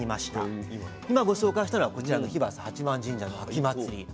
今ご紹介したのはこちらの日和佐八幡神社の秋祭り。